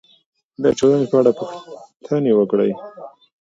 د ټولنې په اړه پوښتنې وکړئ.